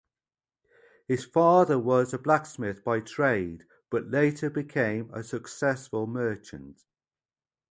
His father was a blacksmith by trade, but later became a successful merchant.